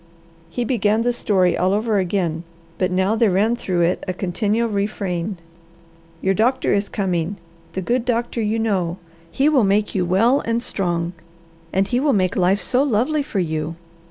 He began the story all over again, but now there ran through it a continual refrain. "Your doctor is coming, the good doctor you know. He will make you well and strong, and he will make life so lovely for you."